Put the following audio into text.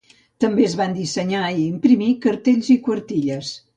També es van dissenyar i imprimir cartells i quartilles.